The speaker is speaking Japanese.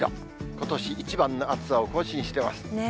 ことし一番の暑さを更新してます。